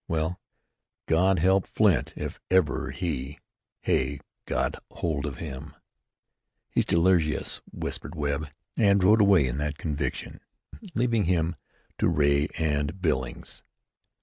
Well, God help Flint, if ever he, Hay, got hold of him. "He's delirious," whispered Webb, and rode away in that conviction, leaving him to Ray and Billings.